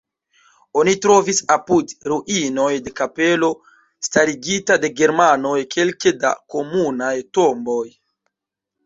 Oni trovis apud ruinoj de kapelo starigita de germanoj kelke da komunaj tomboj.